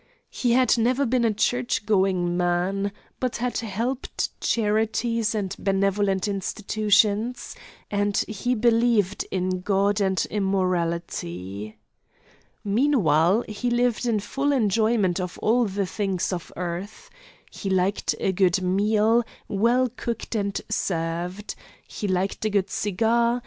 He had never been a church going man, but had helped charities and benevolent institutions, and he believed in God and immortality. Meanwhile he lived in full enjoyment of all the things of earth. He liked a good meal, well cooked and served. He liked a good cigar.